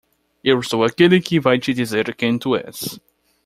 eu sou aquele que te vai dizer quem tu és.